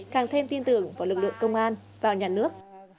càng thêm tin tưởng vào lực lượng công an vào nhà nước